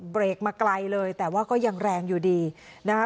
เบรกมาไกลเลยแต่ว่าก็ยังแรงอยู่ดีนะคะ